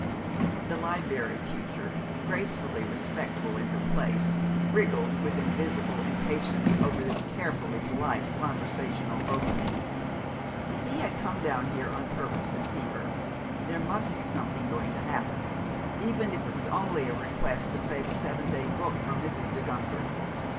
The Liberry Teacher, gracefully respectful in her place, wriggled with invisible impatience over this carefully polite conversational opening. He had come down here on purpose to see her there must be something going to happen, even if it was only a request to save a seven day book for Mrs. De Guenther!